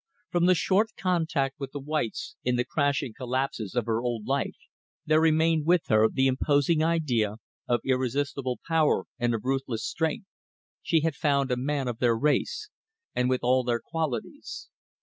From the short contact with the whites in the crashing collapse of her old life, there remained with her the imposing idea of irresistible power and of ruthless strength. She had found a man of their race and with all their qualities.